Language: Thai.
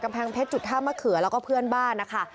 แพงเพชรจุดท่ามะเขือแล้วก็เพื่อนบ้านนะคะ